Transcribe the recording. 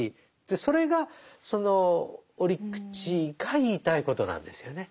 それがその折口が言いたいことなんですよね。